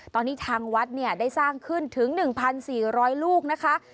ตอนนี้ทางวัดเนี่ยได้สร้างขึ้นถึง๑๔๐๐ลูกนะคะ